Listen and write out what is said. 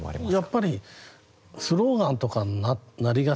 やっぱりスローガンとかになりがちなんでね